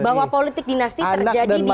nah politik dinasti terjadi di daerah daerah